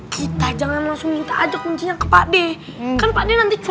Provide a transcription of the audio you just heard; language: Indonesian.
kita jangan langsung minta aja kuncinya ke pak d